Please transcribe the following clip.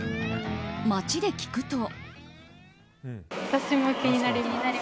街で聞くと。